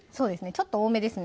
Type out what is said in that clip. ちょっと多めですね